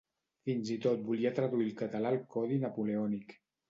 Fins i tot volia traduir al català el Codi Napoleònic.